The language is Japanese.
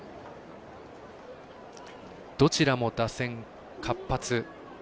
どちらも打線活発。